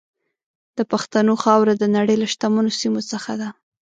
د پښتنو خاوره د نړۍ له شتمنو سیمو څخه ده.